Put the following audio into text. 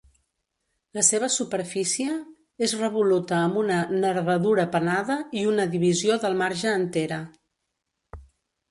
La seva superfície és revoluta amb una nervadura pennada i una divisió del marge entera.